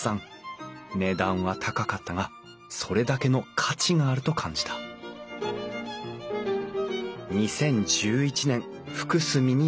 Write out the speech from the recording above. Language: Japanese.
値段は高かったがそれだけの価値があると感じた２０１１年福住に移住。